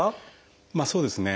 まあそうですね。